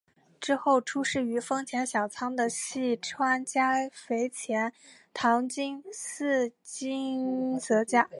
之后出仕于丰前小仓的细川家及肥前唐津寺泽家。